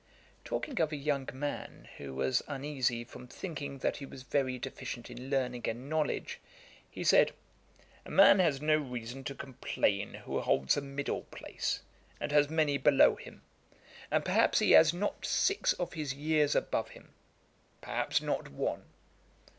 Talking of a young man who was uneasy from thinking that he was very deficient in learning and knowledge, he said, 'A man has no reason to complain who holds a middle place, and has many below him; and perhaps he has not six of his years above him; perhaps not one.